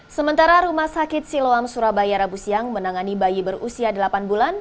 sementara rumah sakit siloam surabaya rabu siang menangani bayi berusia delapan bulan